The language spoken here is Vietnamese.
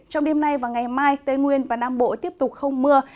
trong đêm nay và ngày mai tây nguyên và nam bộ tiếp tục không mưa